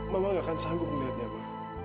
mama gak akan sanggup melihatnya bu